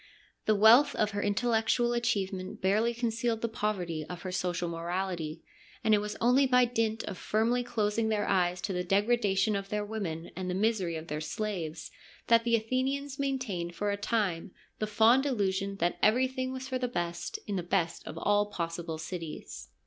The wealth of her intellectual achieve ment barely concealed the poverty of her social morality, and it was only by dint of firmly closing their eyes to the degradation of their women and the misery of their slaves that the Athenians main tained for a time the fond illusion that every thing was for the best in the best of all possible cities.